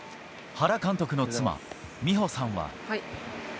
原監督の妻、美穂さんは。